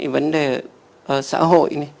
vấn đề xã hội